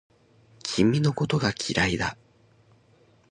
君のことが嫌いだ